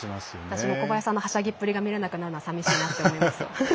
私も、小林さんのはしゃぎっぷりが見れなくなるのは寂しいなって思います。